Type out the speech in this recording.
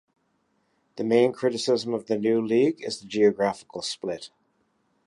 The main criticism of the new league is the geographical split.